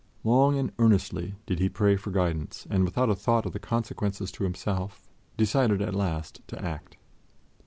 Long and earnestly did he pray for guidance and, without a thought of the consequences to himself, decided at last to act.